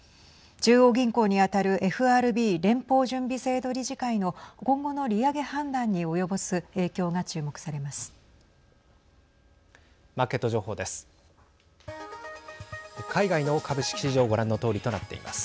中央銀行に当たるＦＲＢ＝連邦準備制度理事会の今後の利上げ判断に及ぼす影響が注目されます。